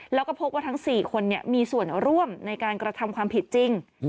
แล้วก็พบว่าทั้ง๔คนมีส่วนร่วมในการกระทำความผิดจริง